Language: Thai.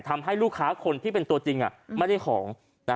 ทำให้ลูกค้าคนที่เป็นตัวจริงไม่ได้ของ